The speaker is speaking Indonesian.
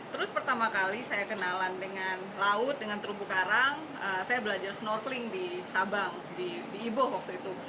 terus pertama kali saya kenalan dengan laut dengan terumbu karang saya belajar snorkeling di sabang di ibo waktu itu